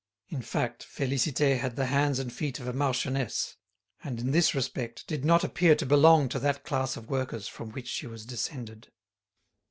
In fact, Félicité had the hands and feet of a marchioness, and, in this respect, did not appear to belong to that class of workers from which she was descended.